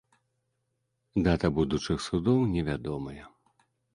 Дата будучых судоў невядомая.